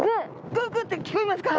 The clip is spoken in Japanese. グゥグゥって聞こえますか？